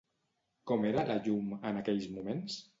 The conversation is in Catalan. Com era, la llum, en aquells moments?